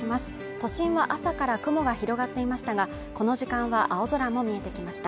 都心は朝から雲が広がっていましたがこの時間は青空も見えてきました